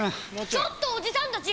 ・ちょっとおじさんたち